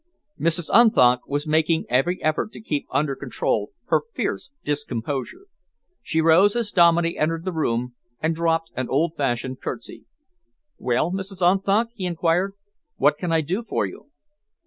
Mrs. Unthank was making every effort to keep under control her fierce discomposure. She rose as Dominey entered the room and dropped an old fashioned curtsey. "Well, Mrs. Unthank," he enquired, "what can I do for you?"